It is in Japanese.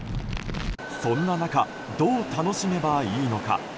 そんな中どう楽しめばいいのか？